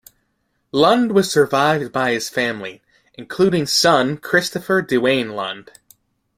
Lund was survived by his family, including son Christopher DeWayne Lund.